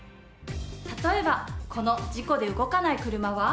例えばこの事故で動かない車は？